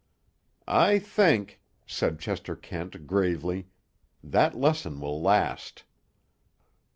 "I think," said Chester Kent gravely, "that lesson will last."